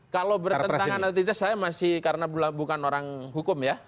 kalau bertentangan atau tidak saya masih karena bukan orang hukum ya